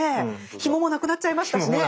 ひもも無くなっちゃいましたしね。